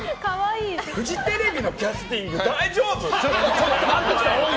フジテレビのキャスティング大丈夫？